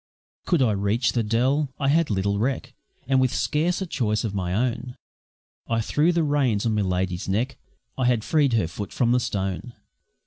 Could I reach the Dell? I had little reck, And with scarce a choice of my own I threw the reins on Miladi's neck I had freed her foot from the stone.